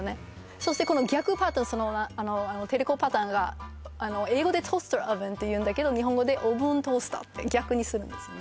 そしてこの逆パターンテレコパターンが英語で「トースターオーブン」って言うんだけど日本語で「オーブントースター」って逆にするんですよね